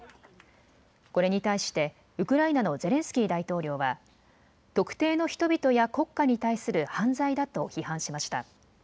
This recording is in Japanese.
これに対してウクライナのゼレンスキー大統領は特定の人々や国家に対する犯罪だと批判しました。